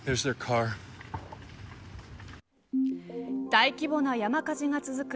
大規模な山火事が続く